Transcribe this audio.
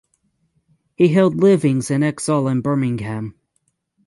He held livings in Exhall and Birmingham.